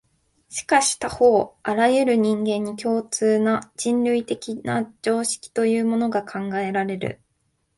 しかし他方、あらゆる人間に共通な、人類的な常識というものが考えられる。